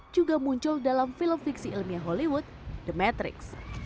juga muncul dalam film fiksi ilmiah hollywood the matrix